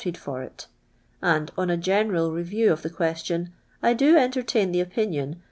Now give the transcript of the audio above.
f ir it. And on a iien' nil n? vi w of til,. que<tii<n, I do entertain the opinii»n.